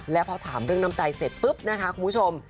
แล้วพอถามเรื่องน้ำใจเสร็จปุ๊บนะคะคุณผู้ชม